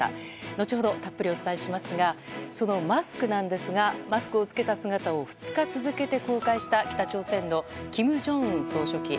後ほどたっぷりお伝えしますがそのマスクなんですがマスクを着けた姿を２日続けて公開した北朝鮮の金正恩総書記。